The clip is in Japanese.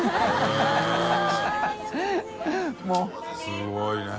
すごいね。